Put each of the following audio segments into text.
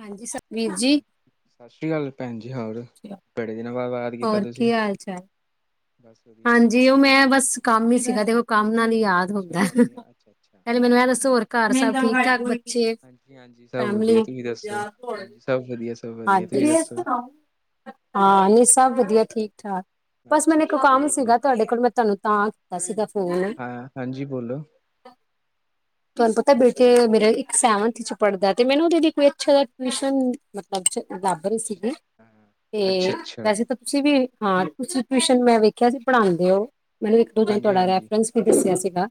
ਹਾਂਜੀ ਸਤਵੀਰ ਜੀ ਹਾਂਜੀ ਸਤਿ ਸ਼੍ਰੀ ਅਕਾਲ ਭੈਣ ਜੀ, ਹੋਰ? ਬੜੇ ਦਿਨਾਂ ਬਾਅਦ ਯਾਦ ਕੀਤਾ ਹੋਰ ਤੁਸੀਂ ਕੀ ਹਾਲ-ਚਾਲ? ਬਸ ਵਧੀਆ ਜੀ ਹਾਂਜੀ ਓ ਵਧੀਆ ਮੈਂ ਬਸ ਕੰਮ ਈ ਸੀਗਾ ਦੇ ਕੰਮ ਨਾਲ ਈ ਯਾਦ ਅੱਛਾ ਹੁੰਦਾ, ਹਾਂਜੀ ਹਾਂ ਅੱਛਾ ਅੱਛਾ ਪਹਿਲੇ ਮੈਨੂੰ ਏਹ ਦੱਸੋ ਹੋਰ ਘਰ ਸਭ ਠੀਕ-ਠਾਕ ਬੱਚੇ? ਹਾਂਜੀ-ਹਾਂਜੀ, ਸਬ ਫੈਮਲੀ ਵਧੀਆ, ਤੁਸੀਂ ਦੱਸੋ? ਹਾਂਜੀ ਸਬ ਵਧੀਆ। ਸਭ ਵਧੀਆ ਤੁਸੀਂ ਹਾਂਜੀ, ਦੱਸੋ ਹਾਂ ਨਈਂ ਸਬ ਵਧੀਆ ਠੀਕ-ਠਾਕ। ਅੱਛਾ ਬਸ ਅੱਛਾ ਮੈਨੂੰ ਇੱਕ ਚਲੋ ਕੰਮ ਵਧੀਆ ਸੀਗਾ ਤੁਆਡੇ ਕੋਲ ਮੈਂ ਤੁਆਨੂੰ ਤਾਂ ਕੀਤਾ ਸੀਗਾ ਫੋਨ ਹਾਂ ਹਾਂਜੀ [inaudible] ਤੁਆਨੂੰ ਪਤਾ ਬੇਟੇ ਮੇਰੇ ਇੱਕ ਸੈਵਨਥ ਚ ਪੜਦਾ ਤੇ ਮੈਨੂੰ ਓਦੇ ਲਈ ਕੋਈ ਅੱਛਾ ਜਾ ਟਿਊਸ਼ਨ [unintelligible] ਲੱਬ ਰਏ ਅੱਛਾ ਸੀਗੇ, ਅੱਛਾ ਹਾਂ ਤੇ ਅੱਛਾ ਅੱਛਾ ਵੈਸੇ ਤਾਂ ਤੁਸੀਂ ਵੀ, ਹਾਂ ਤੁਸੀਂ ਟਿਊਸ਼ਨ ਮੈਂ ਵੇਖਿਆ ਸੀ ਪੜਾਂਦੇ ਓ। ਮੈਨੂੰ ਇੱਕ-ਦੂਜੇ ਨੇ ਹਾਂਜੀ ਤੁਆਡਾ ਹਾਂਜੀ ਰੈਫਰੈਂਸ ਵੀ ਦੱਸਿਆ ਸੀਗਾ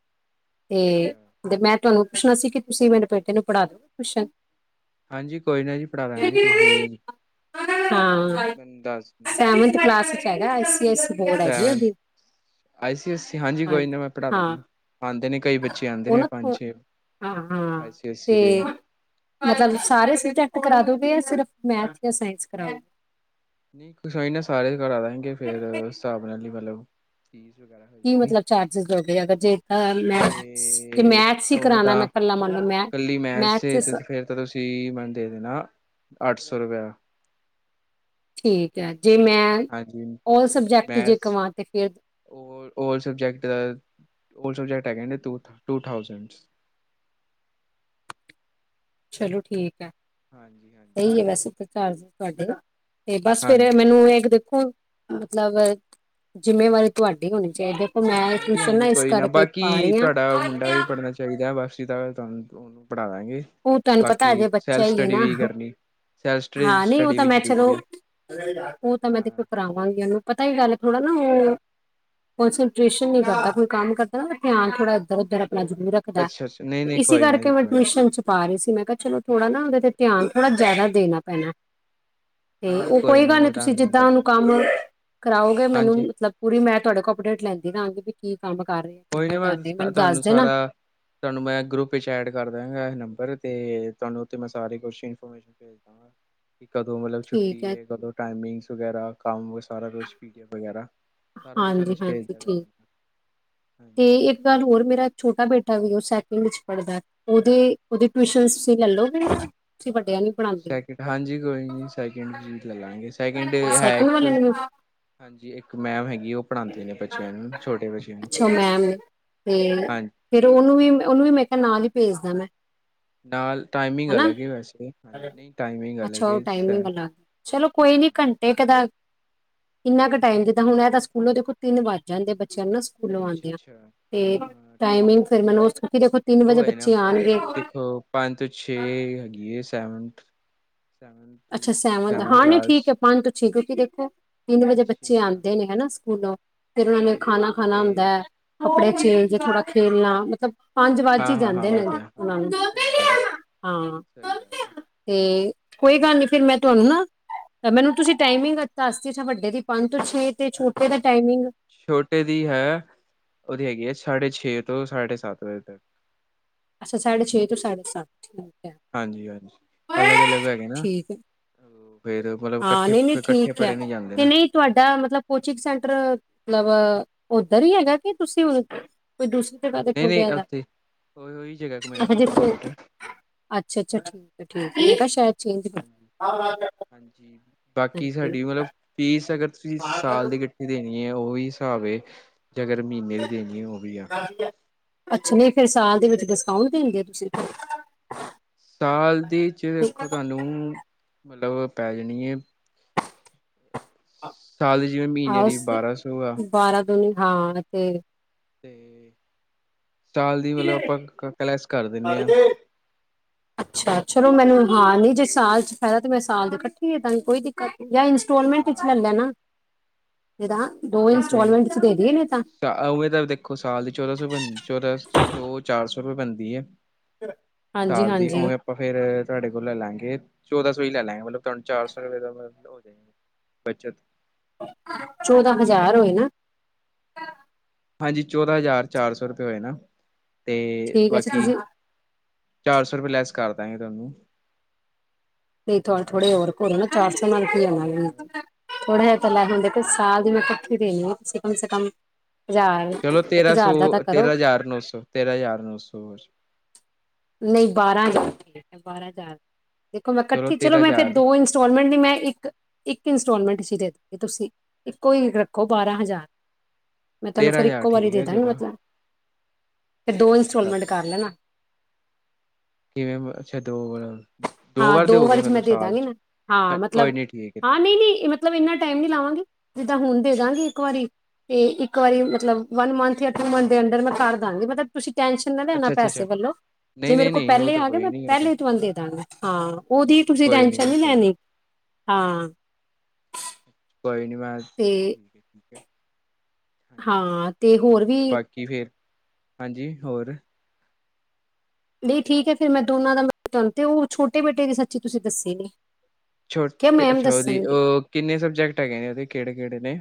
ਤੇ ਅੱਛਾ ਤੇ ਮੈਂ ਤੁਆਨੂੰ ਪੁੱਛਣਾ ਸੀ ਕਿ ਤੁਸੀਂ ਮੇਰੇ ਬੇਟੇ ਨੂੰ ਪੜਾ ਦੋ ਗੇ ਟਿਊਸ਼ਨ ਹਾਂਜੀ ਕੋਈ ਨਾ ਜੀ ਪੜਾਦਾਂਗੇ ਤੁਸੀਂ ਹਾਂ ਮੈਨੂੰ ਦੱਸ ਦੇਣਾ ਹਾਂਜੀ ਸੈਵਨਥ ਕਲਾਸ ਚ ਹੈਗਾ ਆਈ ਸੀ ਆਈ ਸੀ ਬੋਰਡ ਐ ਜੀ ਸੈਵਨ ਓਦੀ ਆਈ ਸੀ ਆਈ ਸੀ, ਹਾਂਜੀ ਕੋਈ ਨਾ ਮੈਂ ਹਾਂ ਪੜਾਦਾਗਾਂ ਆਂਦੇ ਨੇ ਕਈ ਬੱਚੇ ਆਂਦੇ ਨੇ ਪੰਜ-ਛੇ ਹਾਂ-ਹਾਂ, ਤੇ ਮਤਲਬ ਸਾਰੇ ਸਬਜੈਕਟ ਕਰਾ ਦੋਗੇ ਜਾਂ ਸਿਰਫ ਮੈਥ ਜਾਂ ਸਾਇੰਸ ਕਰਾਓਗੇ। ਨਈਂ ਕੋਈ ਨਾ ਸਾਰੇ ਕਰਾਦਾਂਗੇ ਫੇਰ, ਓਸ ਹਿਸਾਬ ਨਾਲ ਮਤਲਬ ਫੀਸ ਵਗੈਰਾ ਕੀ ਜਾਏਗੀ ਮਤਲਬ ਚਾਰਜਿਸ ਲਓ ਗੇ ਅਗਰ ਜੇ ਅ ਮੈਥਸ ਜੇ ਤੇ ਮੈਥਸ ਈ ਉਵੇਂ ਕਰਾਣਾ ਤਾਂ ਮੈਂ ਕੱਲਾ ਮੰਨ ਲਓ ਮੈ, ਕੱਲੀ ਮੈਥ ਤੇ ਮੈਥਸਿਸ ਫੇਰ ਤਾਂ ਤੁਸੀਂ ਮੈਨੂੰ ਦੇ ਦੇਣਾ, ਅੱਠ ਸੌ ਰੁਪਇਆ। ਠੀਕ ਐ ਜੇ ਮੈਂ, ਹਾਂਜੀ ਔਲ ਸਬਜੈਕਟ ਈ ਜੇ ਮੈਥ ਕਵਾਂ ਤੇ ਫੇਰ ਓਲ ਸਬਜੈਕਟ ਦਾ, ਓਲ ਸਬਜੈਕਟ ਹੈਗੇ ਨੇ ਟੂ- ਟੂ ਥਾਊਜੈਂਡ। ਚਲੋ ਠੀਕ ਐ, ਹਾਂਜੀ ਹਾਂਜੀ ਸਈ ਐ ਵੈਸੇ ਫੇਰ ਚਾਰਜਿਸ ਤੁਹਾਡੇ ਤਾਂ। ਤੇ ਬਸ ਫੇਰ ਹਾਂਜੀ ਮੈਨੂੰ ਏਕ ਦੇਖੋ ਮਤਲਬ ਜਿੰਮੇਵਾਰੀ ਤੁਆਡੀ ਹੋਣੀ ਚਾਈਦੀ ਐ। ਮੈਂ ਹਾਂਜੀ ਟਿਊਸ਼ਨ ਨਾ ਹਾਂਜੀ ਇਸ ਕੋਈ ਕਰਕੇ ਈ ਪਾ ਰਈ ਆਂ ਚਾਈਦਾ ਬਸ ਤਾਂ ਤੁਆਨੂੰ ਓਨੂੰ ਪੜਾਦਾਂਗੇ। ਓ ਤੁਆਨੂੰ ਪਤਾ ਹਜੇ ਬੱਚਾ ਈ ਏ ਨਾ। ਸੈਲਫ ਸਟੱਡੀ ਹਾਂ ਨਈ ਓ ਸਟੱਡੀ ਤਾਂ ਵੀ ਮੈਂ ਜ਼ਰੂਰੀ ਚਲੋ, ਆ ਓ ਤਾਂ ਮੈਂ ਦੇਖੋ ਹਾਂ ਕਰਾਵਾਂਗੀ ਓਨੂੰ ਪਤਾ ਏ ਗੱਲ ਥੋੜਾ ਨਾ ਓ, ਕੋਂਸਨਟਰੇਸ਼ਨ ਨਈ ਕਰਦਾ ਕੋਈ ਕੰਮ ਕਰ ਦਾ ਨਾ ਧਿਆਨ ਥੋੜਾ ਏਧਰ-ਓਧਰ ਆਪਣਾ ਜ਼ਰੂਰ ਰੱਖਦਾ ਐ ਅੱਛਾ-ਅੱਛਾ, ਤੇ ਨਹੀਂ-ਨਹੀਂ ਇਸੀ ਕੋਈ ਨਾ ਜੀ ਕਰਕੇ ਮੈਂ ਕੋਈ ਨਾ। ਟਿਊਸ਼ਨ ਚ ਰਈ ਸੀ ਮੈਂ ਕਿਆ ਚਲੋ ਥੋੜਾ ਅੱਛਾ ਨਾ ਅੱਛਾ ਓਦੇ ਤੇ ਧਿਆਨ ਥੋੜਾ ਜ਼ਿਆਦਾ ਦੇਨਾ ਪੈਨਾ ਤੇ ਹਾਂਜੀ ਓ ਕੋਈ ਨਾ ਗੱਲ ਨਈ ਮੈਂ ਤੁਸੀਂ ਤੁਹਾਨੂੰ ਜਿੱਦਾਂ ਕਰਾਂ ਓਨੂੰ ਕੰਮ, ਕਰਾਓਗੇ ਮੈਨੂੰ ਹਾਂਜੀ ਮਤਲਬ ਪੂਰੀ ਮੈਂ ਤੁਆਡੇ ਕੋ ਅਪਡੇਟ ਲੈਂਦੀ ਰਾਂਗੀ ਵੀ ਕੀ ਕੰਮ ਕਰ ਰਿਆ ਕਿੱਦਾਂ ਕਰ ਰਏ ਮੈਨੂੰ ਦੱਸ ਦੇਣਾ। ਤੁਆਨੂੰ ਮੈਂ ਗਰੁੱਪ ਵਿੱਚ ਐਡ ਕਰ ਦਾਗਾ ਏਹ ਨੰਬਰ ਤੇ ਤੁਆਨੂੰ ਉਥੇ ਮੈਂ ਸਾਰੇ ਕੁਸ਼ ਇਫੋਰਮੇਸ਼ਨ ਸੇਬ ਖਾਣਾ ਕੀ ਕਦੋਂ ਮਤਲਬ ਠੀਕ ਛੁੱਟੀ ਹੈ ਏ, ਕਦੋਂ ਟਾਈਮਿੰਗਸ ਵਗੈਰਾ ਕੰਮ ਸਾਰਾ ਕੁਸ਼ ਪੀਡੀ ਐੱਫ ਵਗੈਰਾ। ਸਾਰਾ ਕੁਛ ਓਦੇ ਹਾਂਜੀ ਚ ਭੇਜ ਹਾਂਜੀ ਦਿਆ ਠੀਕ ਕਰਨਾ। ਤੇ ਹਾਂਜੀ। ਇੱਕ ਗੱਲ ਹੋਰ ਮੇਰਾ ਛੋਟਾ ਬੇਟਾ ਵੀ ਓ ਸੈਕਿੰਡ ਚ ਪੜਦਾ, ਓਦੀ -ਓਦੀ ਟਿਊਸ਼ਨਸ ਤੁਸੀਂ ਲੈ ਲੋਗੇ ਤੁਸੀਂ ਵੱਡਿਆਂ ਨੂੰ ਪੜ੍ਹਾਉਂਦੇ ਸੈਕਿੰਡ ਹਾਂਜੀ ਕੋਈ ਨੀ ਸੈਕਿੰਡ ਲੈ ਲਾਂਗੇ, ਸੈਕਿੰਡ ਹੋ ਹੈ ਸੈਕਿੰਡ ਵਾਲੇ ਨੂੰ ਹਾਂਜੀ ਇੱਕ ਮੈਮ ਹੈਗੀ ਓ ਪੜ੍ਹਾਂਦੇ ਨੇ ਬੱਚਿਆਂ ਨੂੰ, ਛੋਟੇ ਬੱਚਿਆਂ ਨੂੰ, ਅੱਛਾ ਮੈਮ ਨੇ ਹਾਂਜੀ। ਓਨੂੰ ਵੀ ਮੈਂ ਕਿਹਾ ਨਾਲ ਹੀ ਭੇਜਦਾ ਮੈਂ। ਨਾਲ ਟਾਈਮਿੰਗ ਹਨਾਂ, ਅਲੱਗ ਹੈ ਵੈਸੇ ਹਾਂਜੀ ਨਹੀਂ ਟਾਈਮਿੰਗ ਅਲੱਗ ਅੱਛਾ ਹੈ ਉਹ ਟਾਈਮਿੰਗ ਦੀ ਗੱਲ ਆ, ਚਲੋ ਕੋਈ ਹਾਂ ਨੀ ਘੰਟ ਤੇ ਪਤਾ, ਕਿੰਨਾ ਕੁ ਟਾਈਮ ਜਿੱਦਾਂ ਹੁਣ ਐ ਤਾਂ ਸਕੂਲੋਂ ਦੇਖੋ ਤਿੰਨ ਵੱਜ ਜਾਂਦੇ ਬੱਚਿਆਂ ਨੂੰ ਨਾ ਸਕੂਲੋਂ ਅੱਛਾ ਆਉਂਦਿਆਂ ਤੇ ਅੱਛਾ ਟੈਨ ਟਾਈਮਿੰਗ ਫਿਰ ਮੈਨੂੰ ਦੇਖੋ ਤਿੰਨ ਵਜੇ ਉਹ ਹੈ ਨਾ ਬੱਚੇ ਆਣਗੇ ਦੇਖੋ ਪੰਜ ਤੋਂ ਛੇ ਹੈਗੀ ਏ ਸੈਵਨਥ। ਸੈਵਨ ਟੂ ਅੱਛਾ ਮਤਲਬ ਸੈਵਨਥ, ਹਾਂ ਨਹੀਂ ਕਲਾਸ ਠੀਕ ਐ ਪੰਜ ਤੋਂ ਛੇ ਠੀਕ ਹੈ ਕਿ ਦੇਖੋ ਤਿੰਨ ਵਜੇ ਛੇ। ਬੱਚੇ ਹਾਂ ਆਂਦੇ ਨੇ ਹਨਾ ਸਕੂਲੋਂ ਫਿਰ ਉਹਨਾ ਨੇ ਠੀਕ ਹੈ। ਖਾਣਾ- ਖਾਣਾ ਤੇ ਹੁੰਦਾ, ਕੱਪੜੇ ਚੇਂਜ, ਥੋੜਾ ਖੇਲਣਾ ਮਤਲਬ ਪੰਜ ਵੱਜ ਹਾਂ ਹੀ ਹਾਂ ਹਾਂ ਜਾਂਦੇ ਉਹ ਨੇ ਤੇ ਆ। ਉਨਾਂ ਹਾਂ ਨੂੰ, ਹਾਂ ਸਹੀ ਗੱਲ ਹਾਂ ਸਹੀ ਗੱਲ ਹੈ। ਤੇ ਕੋਈ ਗੱਲ ਨੀ ਫਿਰ ਮੈਂ ਤੁਹਾਨੂੰ ਨਾ ਤਾਂ ਮੈਨੂੰ ਤੁਸੀਂ ਟਾਈਮਿੰਗ ਦਸ ਦੀ ਵੱਡੇ ਦੀ ਪੰਜ ਤੋਂ ਛੇ ਤੇ ਛੋਟੇ ਦਾ ਟਾਈਮਿੰਗ ਛੋਟੇ ਦੀ ਹੈ, ਉਹਦੀ ਹੈਗੀ ਹੈ ਸਾਢੇ ਛੇ ਤੋਂ ਸਾਢੇ ਸੱਤ ਵਜੇ ਤੱਕ। ਅੱਛਾ, ਸਾਢੇ ਛੇ ਟੂ ਸਾਢੇ ਸਤ ਠੀਕ ਐ ਹਾਂਜੀ- ਹਾਂਜੀ। ਅਲਗ- ਅਲਗ ਹੈਗੇ ਨਾ। ਠੀਕ ਹੈ ਫੇਰ ਮਤਲਬ ਹਾਂ ਇਕੱਠੇ, ਨਹੀਂ ਨਹੀਂ ਫਿਰ ਇਕੱਠੇ ਠੀਕ ਹੈ ਪੜ੍ਹੇ ਨੀ ਜਾਂਦੇ ਤੇ ਨਾ। ਨਹੀਂ ਤੁਹਾਡਾ ਮਤਲਬ ਕੋਚਿੰਗ ਸੈਂਟਰ, ਮਤਲਬ ਉੱਧਰ ਹੀ ਹੈਗਾ ਕਿ ਤੁਸੀਂ, ਕੋਈ ਦੂਸਰੀ ਜਗ੍ਹਾ ਤੇ ਨਹੀਂ ਨਹੀਂ ਖੋਲਿਆ ਗਾ ਉੱਥੇ ਉਹੀ, ਉਹੀ ਜਗ੍ਹਾ ਕੋ ਮੇਰਾ [inaudible] ਕੋਚਿੰਗ ਸੈਂਟਰ। ਅੱਛਾ ਅੱਛਾ ਠੀਕ ਐ ਠੀਕ ਐ ਮੈਂ ਕਿਹਾ ਸ਼ਾਇਦ ਚੇਂਜ ਕਰ ਹਾਂਜੀ, ਹਾਂਜੀ ਬਾਕੀ ਸਾਡੀ ਮਤਲਬ ਫੀਸ ਅਗਰ ਤੁਸੀਂ ਸਾਲ ਦੀ ਹਾਂਜੀ ਦੇਣੀ ਐ ਉਹੀ ਹਿਸਾਬ ਏ ਤੇ ਅਗਰ ਮਹੀਨੇ ਦੀ ਦੇਣੀ ਐ ਉਹ ਵੀ ਆ ਅੱਛਾ ਨਹੀਂ ਫੇਰ ਸਾਲ ਦੇ ਵਿੱਚ ਡਿਸਕਾਊਂਟ ਦਿੰਦੇ ਹੋ ਤੁਸੀਂ ਸਾਲ ਦੀ ਚ ਦੇਖੋ ਤੁਹਾਨੂੰ ਮਤਲਬ ਪੈ ਜਾਣੀ ਏ ਸਾਲ ਦੀ ਜਿਵੇਂ ਮਹੀਨੇ ਆਹੋ ਦੀ ਬਾਰਾਂ ਸੌ ਆ ਬਾਰਾਂ ਦੂਨੀ ਹਾਂ ਤੇ ਤੇ, ਸਾਲ ਦੀ ਮਤਲਬ ਆਪਾਂ ਕਲੈਸ ਕਰ ਦਿਣੇ ਆ ਅੱਛਾ ਚਲੋ ਮੈਨੂੰ ਹਾਂ ਨਈ ਜੇ ਸਾਲ ਚ ਫਾਇਦਾ ਤੇ ਮੈਂ ਸਾਲ ਦੇ ਕੱਠੀ ਦੇਂਦਾਗੀ ਕੋਈ ਦਿ ਕਤ ਜਾਂ ਇੰਸਟੋਲਮੈਂਟ ਵਿੱਚ ਲੈ ਹਾਂ। ਲੈਨਾ ਨਹੀਂ ਤਾਂ ਦੋ ਇੰਸਟਾਲਮੈਂਟ ਚ ਦੇ ਦਈਏ ਨਹੀਂ ਤਾਂ ਤਾਂ ਉਵੇ ਤਾਂ ਦੇਖੋ ਸਾਲ ਦੀ ਚੌਦਾਂ ਸੌ ਬ ਚੌਦਾਂ ਸੌ ਚਾਰ ਸੌ ਰੁਪਏ ਬਣਦੀ ਐ ਸਾਲ ਦੀ ਹਾਂਜੀ-ਹਾਂਜੀ ਉਵੇਂ ਆਪਾਂ ਫੇਰ ਤੁਹਾਡੇ ਕੋਲ ਲੈ ਲਾਂਗੇ ਚੌਦਾਂ ਸੌ ਹੀ ਲੈ ਲਾਂਗੇ ਮਤਲਬ ਤੁਹਾਨੂੰ ਚਾਰ ਸੌ ਰਪਏ ਦਾ ਉਹ ਹੋ ਜੇਗਾ ਬੱਚਤ ਚੌਦਾਂ ਹਜ਼ਾਰ ਹੋਏ ਨਾ ਹਾਂਜੀ ਚੌਦਾਂ ਹਜ਼ਾਰ ਚਾਰ ਸੌ ਰੁਪਏ ਹੋਏ ਨਾ, ਤੇ ਠੀਕ ਹੈ ਅੱਛਾ ਬਾਕੀ ਤੁਸੀਂ ਚਾਰ ਸੌ ਰੁਪਏ ਲੈਸ ਕਰ ਦਾਂਗੇ ਤੁਹਾਨੂੰ ਨਹੀਂ ਥ ਥੋੜੇ ਹੋਰ ਕਰੋ ਨਾ ਚਾਰ ਸੌ ਨਾਲ ਰੁਪਏ ਕੀ ਥੋੜੇ। ਆਣਾ, ਥੋੜਾ ਜਿਹਾ ਤਾਂ ਲੈ ਹੁੰਦੇ ਬਾਕੀ ਸਾਲ ਦੀ ਮੈਂ ਦੇਣੀ ਐ ਕਮ ਸੇ ਕਮ ਹਜਾਰ ਚਲੋ ਤੇਰਾਂ ਸੌ, ਤੇਰਾਂ ਹਜ਼ਾਰ ਨੌ ਸੌ, ਤੇਰਾਂ ਹਜ਼ਾਰ ਨੌ ਸੌ ਨਹੀਂ ਬਾਰਾਂ ਹਜ਼ਾਰ ਠੀਕ ਐ, ਬਾਰਾਂ ਹਜ਼ਾਰ ਦੇਖੋ ਮੈਂ ਕੱਠੀ ਚਲੋ ਤੇਰਾਂ ਮੈਂ ਫਿਰ ਹਜ਼ਾਰ ਦੋ ਇੰਸਟੋਲਮੈਂਟ ਨੀ ਮੈਂ ਇੱਕ ਇੱਕ ਇੰਸਟਾਲਮੈਂਟ ਚ ਹੀ ਦੇ ਦਾਂਗੀ ਤੁਸੀਂ ਇੱਕੋ ਹੀ ਰੱਖੋ ਬਾਰਾਂ ਹਜ਼ਾਰ, ਮੈਂ ਤੁਹਨੂੰ ਤੇਰਾਂ ਫੇਰ ਹਜ਼ਾਰ ਇੱਕੋ ਵਾਰੀ ਠੀਕ ਦੇ ਹੈ ਦਾਂਗੀ ਚਲੋ ਮਤਲਬ ਫੇਰ ਤੇਰਾਂ ਦੋ ਹਜ਼ਾਰ ਇੰਸਟਾਲਮੈਂਟ ਕਰਤਾ ਕਰ ਲੈਣਾ ਕਿਵੇਂ ਅੱਛਾ ਦੋ ਵ ਹਾਂ ਦੋ ਵਾਰੀ ਚ ਮੈਂ ਦੇ ਦਾਂਗੀ ਨਾ, ਹਾਂ ਮਤਲਬ, ਕੋਈ ਨੀ ਠੀਕ ਹੈ ਹਾਂ ਠੀਕ ਨਈ ਹੈ ਨਈ ਮ ਮਤਲਬ ਇੰਨਾ ਟਾਈਮ ਨੀ ਲਾਵਾਂਗੀ ਜਿੱਦਾਂ ਹੁਣ ਦੇ ਦਾਂਗੀ ਇੱਕ ਵਾਰੀ ਤੇ ਇੱਕ ਵਾਰੀ ਮਤਲਬ ਵਨ ਮੰਥ ਅੱਠ ਮੰਥ ਹਾਂ ਦੇ ਅੰਡਰ ਮੈਂ ਕਰ ਦਾਂਗੀ ਮਤਲਬ ਤੁਸੀਂ ਟੈਂਨਸ਼ਨ ਨਾ ਲੈਣਾ ਅੱਛਾ ਅੱਛਾ ਪੈਸੇ ਅੱਛਾ ਵੱਲੋਂ ਜੇ ਨਹੀਂ ਮੇਰੇ ਨਹੀਂ ਕੋਲ ਨਹੀਂ ਉਹ ਪਹਿਲੇ ਤਾਂ ਆਗੇ ਕੋਈ ਮੈਂ ਨੀ ਉਹ ਤਾਂ ਪਹਿਲੇ ਤੁਹਾਨੂੰ ਦੇਦਾਂਗੀ। ਹਾਂ ਅੱਛਾ ਉਹਦੀ ਅੱਛਾ ਤੁਸੀਂ ਕੋਈ ਨੀ ਟੈਸ਼ਨ ਜੀ ਨਈ ਕੋਈ ਲੈਣੀ, ਹਾਂ। ਕੋਈ ਨੀ ਮੈ [unintelligible] ਠੀਕ ਏ, ਠੀਕ ਐ। ਹਾਂ ਤੇ ਹੋਰ ਵੀ ਕੀ ਫੇਰ, ਹਾਂਜੀ ਹੋਰ? ਨਈ ਠੀਕ ਐ ਫਿਰ ਮੈਂ ਦੋਨਾਂ ਦਾ [inaudible] ਤੇ ਉਹ ਛੋਟੇ ਬੇਟੇ ਦੀ ਸੱਚੀ ਤੁਸੀਂ ਦੱਸੀ ਨੀ। ਛੋਟੇ ਅੱਛਾ ਉਹਦੀ ਕਿੰਨੇ ਸਬਜੈਕਟ ਹੈਗੇ ਨੇ ਉਹਦੇ ਕਿਹੜੇ-ਕਿਹੜੇ ਨੇ?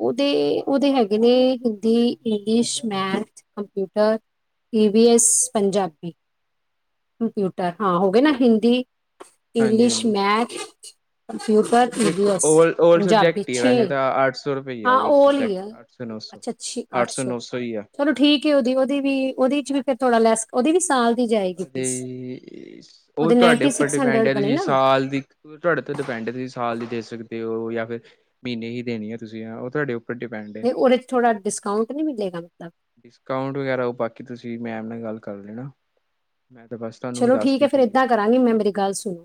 ਉਹਦੇ ਉਹਦੇ ਹੈਗੇ ਨੇ ਹਿੰਦੀ, ਇੰਗਲਿਸ਼, ਮੈਥ, ਕੰਪਿਊਟਰ ਈ ਵੀ ਐਸ, ਪੰਜਾਬੀ, ਕੰਪਿਊਟਰ, ਹਾਂ ਹੋ ਗਏ ਨਾ ਹਿੰਦੀ ਹਾਂਜੀ ਇੰਗਲਿਸ਼, ਹਾਂਜੀ ਮੈਥ ਕੰਪਿਊਟਰ ਈ ਵੀ ਦੇਖੋ ਐਸ ਓਲਡ ਪੰਜਾਬੀ ਸਬਜੈਕਟ ਹੀ ਹੈ ਛੇ ਵੈਸੇ ਤਾਂ ਆਰਟਸ ਸੌ ਰੁਪਈਆ ਹਾਂ ਓਲ ਹੀ ਆ ਸਬੈਕਟ ਅੱਠ ਸੌ ਨੌ ਸੌ ਅੱਠ ਸੌ, ਨੌ ਸੌ, ਹੀ ਆ। ਚਲੋ ਠੀਕ ਉਹਦੀ ਉਹਦੀ ਵੀ, ਉਹਦੇ ਚ ਵੀ ਫਿਰ ਥੋੜਾ ਲੈਸ ਉਹਦੀ ਵੀ ਸਾਲ ਦੀ ਜਾਏਗੀ ਅਤੇ ਫੀਸ ਉਹ ਉਹਦੇ ਤੁਹਾਡੇ ਨਾਈਨਟੀ ਉੱਪਰ ਸਿਕਸ ਡਿਪੈਂਡ ਹੰਡਰਡ ਹੈ ਬਣੇ ਤੁਸੀਂ ਨਾ ਸਾਲ ਦੀ ਔ ਤੁਹਾਡੇ ਤੇ ਡਿਪੈਂਡ ਐ, ਤੁਸੀਂ ਸਾਲ ਦੇ ਸਕਦੇ ਹੋ ਜਾਂ ਫਿਰ ਮਹੀਨੇ ਹੀ ਦੇਣੇ ਐ, ਤੁਸੀਂ ਉਹ ਤੁਹਾਡੇ ਉੱਪਰ ਡਿਪੈਂਡ ਹੈ ਤੇ ਉਹਦੇ ਚ ਥੋੜਾ ਡਿਸਕਾਊਂਟ ਨਹੀਂ ਮਿਲੇਗਾ ਮਤਲਬ? ਡਿਸਕਾਊਂਟ ਵਗੈਰਾ, ਉਹ ਬਾਕੀ ਤੁਸੀਂ ਮੈਮ ਨਾਲ ਗੱਲ ਕਰ ਲੈਣਾ। ਮੈਂ ਤਾਂ ਬਸ ਤੁਹਾਨੂੰ ਚਲੋ ਠੀਕ ਦੱਸਤੀ ਹੈ, ਫੇਰ ਫੀਸ ਏਦਾਂ ਵਗੈਰਾ ਕਰਾਂਗੀ ਮੈਂ ਮੇਰੀ ਗੱਲ ਸੁਣੋ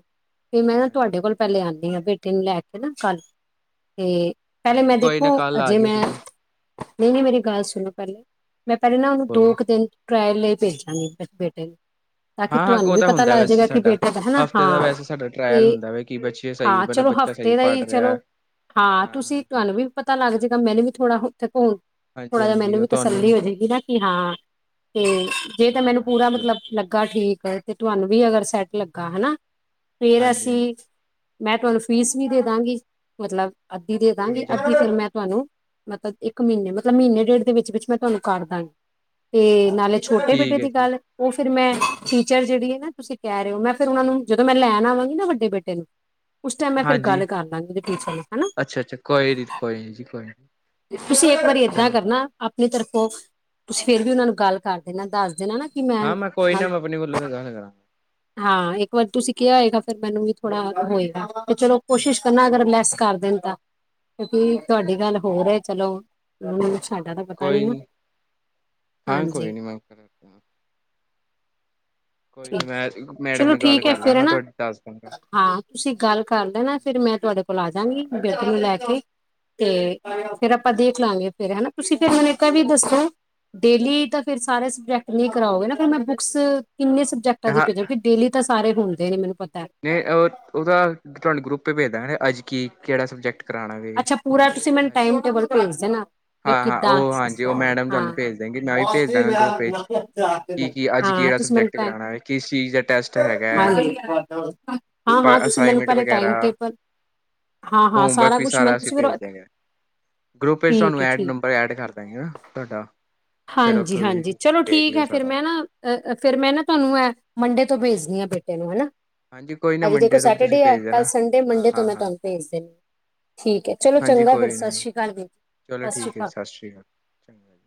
ਫੇਰ ਮੈਂ ਨਾ ਤੁਹਾਡੇ ਹਾਂਜੀ। ਕੋਲ ਪਹਿਲੇ ਆਉਂਦੀ ਹਾਂ, ਬੇਟੇ ਨੂੰ ਲੈ ਕੇ ਨਾ ਕੱਲ ਤੇ ਪਹਿਲੇ ਹਾਂਜੀ ਮੈਂ ਕੋਈ ਨਾ ਦੇਖੋ, ਕੱਲ ਆ ਅਜੇ ਜਿਓ ਮੈਂ ਤੁਸੀਂ ਨਹੀਂ ਨਹੀਂ ਮੇਰੀ ਗੱਲ ਸੁਣੋ ਪਹਿਲੇ ਮੈਂ ਪਹਿਲੇ ਨਾ ਉਹਨੂੰ ਦੋ ਬੋਲੋ। ਕੁ ਦਿਨ ਟਰਾਇਲ ਲਈ ਭੇਜਾਂਗੇ ਫਿਰ ਬੇਟੇ ਨੂੰ ਤਾਂ ਕਿ ਹਾਂ-ਹਾਂ ਤੁਹਾਨੂੰ ਉਹ ਵੀ ਤਾਂ ਪਤਾ ਹੁੰਦਾ ਲੱਗ ਵੈਸੇ ਜਾਏਗਾ, ਕਿ ਸਾਡਾ ਬੇਟਾ ਤਾਂ ਹੈਾ ਹਫ਼ਤੇ ਦਾ ਹਾਂ ਵੈਸੇ ਸਾਡਾ ਟਰਾਇਲ ਤੇ ਹੁੰਦਾ ਵਾ ਕਿ ਬੱਚੇ ਸਹੀ ਹਾਂ ਮਤਲਬ ਚਲੋ ਬੱਚਾ ਸਹੀ ਹਫ਼ਤੇ ਦਾ ਹੀ, ਪੜ੍ਹ ਰਿਹਾ ਚਲੋ ਹਾਂ ਤੁਸੀਂ ਹਾਂ-ਹਾਂ ਤੁਹਾਨੂੰ ਵੀ ਪਤਾ ਲੱਗ ਜਾਏਗਾ, ਮੈਨੂੰ ਵੀ ਥੋੜਾ ਉੱਥੇ ਘੁੰਮ ਥੋੜਾ ਜਿਹਾ ਹਾਂਜੀ-ਹਾਂਜੀ ਮੈਨੂੰ ਵੀ ਉਹ ਤੁਹਾਨੂੰ ਤਸੱਲੀ ਹੋ ਜਾਏਗੀ ਨਾ‌। ਕਿ ਹਾਂ ਤੇ, ਜੇ ਤਾਂ ਮੈਨੂੰ ਹਾਂ-ਹਾਂ ਪੂਰਾ ਹਾਂਜੀ ਮਤਲਬ ਲੱ‍ਗ ਲੱਗਾ ਠੀਕ ਏ, ਤੇ ਤੁਹਾਨੂੰ ਵੀ ਅਗਰ ਸੈੱਟ ਲੱਗਾ ਹੈਨਾ ਫੇਰ ਹਾਂਜੀ-ਹਾਂਜੀ ਅਸੀਂ ਮੈਂ ਤੁਹਾਨੂੰ ਫੀਸ ਵੀ ਦੇ ਦਾਂਗੀ, ਮਤਲਬ ਅੱਧੀ ਦੇ ਦਵਾਂਗੀ ਹਾਂਜੀ ਹਾਂਜੀ ਅੱਧੀ ਫਿਰ ਮੈਂ ਤੁਹਾਨੂੰ ਮਤਲਬ ਇੱਕ ਮਹੀਨੇ ਮਤਲਬ ਮਹੀਨੇ ਡੇਢ ਦੇ ਵਿੱਚ ਵਿਚ ਮੈਂ ਤੁਹਾਨੂੰ ਕਰ ਦਾਂਗੀ, ਤੇ ਨਾਲੇ ਛੋਟੇ ਬੇਟੇ ਠੀਕ ਹੈ ਦੀ ਜੀ। ਗੱਲ, ਉਹ ਫਿਰ ਮੈਂ ਟੀਚਰ ਜਿਹੜੀ ਹੈ ਨਾ ਤੁਸੀਂ ਕਹਿ ਰਹੇ ਹੋ, ਮੈ ਫਿਰ ਉਹਨਾ ਨੂੰ ਜਦੋਂ ਮੈਂ ਲੈਣ ਆਵਾਂਗੀ ਨਾ ਵੱਡੇ ਬੇਟੇ ਨੂੰ। ਉਸ ਟਾਈਮ ਮੈਂ ਫਿਰ ਗੱਲ ਹਾਂਜੀ ਕਰ ਲਾਂਗੀ ਉਹਦੇ ਟੀਚਰ ਨੂੰ, ਹੈਨਾ। ਅੱਛਾ-ਅੱਛਾ ਕੋਈ ਨੀ ਕੋਈ ਨੀ ਜੀ ਕੋਈ ਨੀ। ਤੁਸੀਂ ਇੱਕ ਵਾਰੀ ਉਸ ਏਦਾਂ ਟਾਈਮ ਕਰਨਾ ਆਪਣੀ ਤਰਫੋਂ ਤੁਸੀਂ ਫੇਰ ਵੀ ਉਹਨਾ ਨੂੰ ਗੱਲ ਕਰ ਦੇਨਾ, ਦੱਸ ਦੇਣਾ ਨਾ। ਹਾਂ ਮੈਂ ਕੋਈ ਨਾ ਮੈਂ ਆਪਣੇ ਵੱਲੋਂ ਤੇ ਗੱਲ ਕਰਾਂ। ਹਾਂ ਇੱਕ ਵਾਰ ਤੁਸੀਂ ਕਿਹਾ ਹੋਏਗਾ, ਫਿਰ ਮੈਨੂੰ ਵੀ ਥੋੜਾ ਹੋਏਗਾ ਤੇ ਚਲੋ ਕੋਸ਼ਿਸ਼ ਕਰਨਾ ਅਗਰ ਲੈਸ ਕਰ ਦੇਣ ਤਾਂ, ਕਿਉਂਕਿ ਤੁਹਾਡੀ ਗੱਲ ਹੋਰ ਚਲੋ ਉਹਨਾਂ ਨੂੰ ਸਾਡਾ ਤਾਂ ਪਤਾ ਕੋਈ ਨਾ ਨੀ, ਹਾਂ ਕੋਈ ਹਾਂਜੀ ਨੀ ਮੈਂ ਕਰਾਂਗਾ - ਨੀ ਠੀਕ ਮੈਂ ਮੈਡਮ ਚਲੋ ਨਾਲ ਗੱਲ ਠੀਕ ਹੈ ਕਰ ਫਿਰ ਲਾਂਗਾ ਹੈਨਾ, ਤੁਹਾਡੀ ਦੱਸ ਦਾਂਗਾ। ਹਾਂ ਤੁਸੀਂ ਗੱਲ ਕਰਦੇ ਨਾ ਫਿਰ ਮੈਂ ਤੁਹਾਡੇ ਕੋਲ ਕੋਲ ਆ ਹਾਂ ਜਾਂਗੀ, ਬੇਟੀ ਨੂੰ ਲੈ ਕੇ ਤੇ ਫੇਰ ਆਪਾਂ ਦੇਖ ਲਵਾਂਗੇ, ਫੇਰ ਹੈਨਾ ਤੁਸੀਂ ਫਿਰ ਮੈਨੂੰ ਇੱਕ ਵੀ ਦੱਸੋ ਡੇਲੀ ਤਾਂ ਫਿਰ ਸਾਰੇ ਸਬਜੈਕਟ ਲਈ ਕਰਾਓਗੇ ਨਾ, ਫਿਰ ਮੈਂ ਬੁੱਕਸ ਕਿੰਨੇ ਸਬਜੈਕਟਾਂ ਹਾਂ ਭੇਜਾਂ, ਡੇਲੀ ਤਾਂ ਸਾਰੇ ਹੁੰਦੇ ਨੇ ਮੈਨੂੰ ਪਤਾ ਹੈ। ਨਹੀਂ ਉਹਦਾ ਤੁਹਾਨੂੰ ਗਰੁੱਪ ਤੇ ਭੇਜ ਦਾਗੇ, ਹੈ ਅੱਜ ਕੀ ਕਿਹੜਾ ਸਬਜੈਕਟ ਕਰਾਉਣਾ ਵੇ। ਅੱਛਾ ਪੂਰਾ ਤੁਸੀਂ ਮੈਨੂੰ ਹਾਂਜੀ ਟਾਈਮ ਟੇਬਲ ਭੇਜ ਦੇਣਾ ਨਾ ਹਾਂ ਹਾਂ ਵਿਖਦਾ ਉਹ ਹਾਂਜੀ ਉਹ ਮੈਡਮ ਤੁਹਾਨੂੰ ਹਾਂ ਭੇਜ ਦੇਣਗੇ ਮੈਂ ਵੀ ਭੇਜ ਦਾਂਗਾ ਗਰੁੱਪ ਵਿੱਚ। ਕੀ ਕੀ ਅੱਜ ਹਾਂ ਕਿਹੜਾ ਤੁਸੀਂ ਮੰਨੂੰ ਸਬਜੈਕਟ ਟਾਈਮ ਕਰਾਉਣਾ ਹੈ ਕਿਸ ਚੀਜ਼ ਦਾ ਟੈਸਟ ਹੈਗਾ ਹਾਂ-ਹਾਂ ਤੁਸੀਂ ਮੈਨੂੰ ਅਸਾਈਨਮੈਂਟ ਪਹਿਲੇ ਵਗੈਰਾ ਟਾਈਮ ਟੇਬਲ, ਹਾਂ-ਹਾਂ ਹੋਮਵਰਕ ਸਾਰਾ ਵੀ ਕੁਛ ਮੈਂ ਅਸੀਂ ਤੁਸੀਂ ਫਿਰ ਭੇਜ ਦਾਂਗੇ ਗਰੁੱਪ ਵਿੱਚ ਤੁਹਾਨੂੰ ਠੀਕ ਹੈ ਐਡ ਠੀਕ ਨੰਬਰ ਐਡ ਕਰ ਦਾਂਗੇ ਤੁਹਾਡਾ ਫਿਰ ਉੱਥੋਂ ਦੀ ਹਾਂਜੀ-ਹਾਂਜੀ ਚਲੋ ਦੇਖ ਠੀਕ ਲਿਓ ਹੈ, ਫਿਰ ਸਾਰਾ ਮੈਂ ਨਾ ਅ' ਫੇਰ ਮੈਂ ਨਾ, ਤੁਹਾਨੂੰ ਇਹ ਮੰਡੇ ਤੋਂ ਭੇਜਦੀ ਆ ਬੇਟੇ ਨੂੰ ਹਨਾ ਹਾਂਜੀ ਕੋਈ ਨਾ ਆਜ ਦੇਖੋ ਮੰਡੇ ਤੋਂ ਤੁਸੀਂ ਸੈਟਰਡੇ ਐ, ਭੇਜ ਦੇਣਾ ਕੱਲ੍ਹ ਸੰਡੇ ਹਾਂ ਮੰਡੇ ਤੋਂ ਹਾਂ ਮੈਂ ਹਾਂ ਤੁਹਾਨੂੰ ਭੇਜ ਦਿੰਦੀ ਠੀਕ ਹੈ ਚਲੋ ਹਾਂਜੀ ਚੰਗਾ ਫਿਰ ਕੋਈ ਸਤਿ ਨਾ ਸ਼੍ਰੀ ਅਕਾਲ ਵੀਰ ਚਲੋ ਸਤਿ ਸ਼੍ਰੀ ਠੀਕ ਹੈ ਅਕਾਲ। ਸਤਿ ਸ਼੍ਰੀ ਅਕਾਲ ਚੰਗਾ ਜੀ